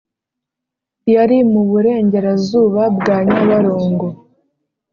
yari mu burengerazuba bwa nyabarongo